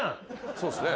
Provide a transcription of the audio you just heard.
そうっすね。